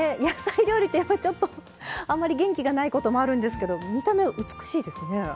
野菜料理ってやっぱりちょっとあまり元気がないこともあるんですけど見た目美しいですね。